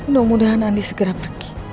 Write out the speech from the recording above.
semoga andi segera pergi